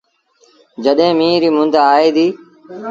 جڏهيݩ ميݩهن ريٚ مند آئي ديٚ۔